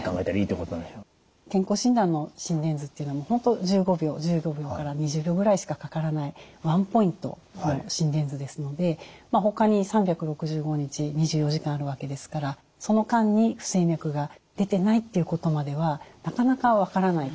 健康診断の心電図というのは本当１５秒から２０秒ぐらいしかかからないワンポイントの心電図ですのでほかに３６５日２４時間あるわけですからその間に不整脈が出てないということまではなかなか分からない。